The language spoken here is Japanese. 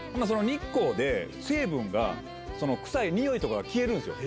日光で成分が臭いニオイとかが消えるんすよ